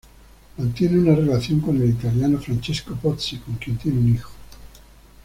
Mantiene una relación con el italiano Francesco Pozzi con quien tiene un hijo.